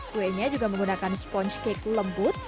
kuenya juga menggunakan sponge cake lembut